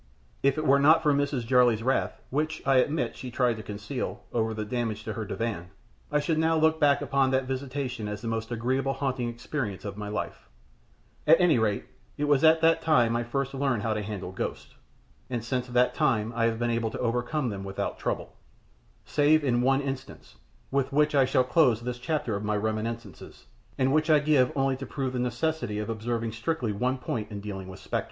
If it were not for Mrs. Jarley's wrath which, I admit, she tried to conceal over the damage to her divan, I should now look back upon that visitation as the most agreeable haunting experience of my life; at any rate, it was at that time that I first learned how to handle ghosts, and since that time I have been able to overcome them without trouble save in one instance, with which I shall close this chapter of my reminiscences, and which I give only to prove the necessity of observing strictly one point in dealing with spectres.